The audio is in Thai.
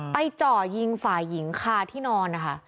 จ่อยิงฝ่ายหญิงคาที่นอนนะคะ